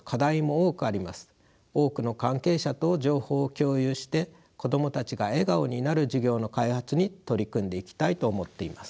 多くの関係者と情報を共有して子供たちが笑顔になる授業の開発に取り組んでいきたいと思っています。